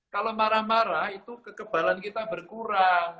kalau marah marah itu kekebalan kita berkurang